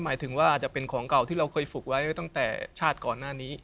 หมายถึงว่าอาจจะเป็นของเก่าที่เราเคยฝึกไว้ตั้งแต่ชาติก่อนหน้านี้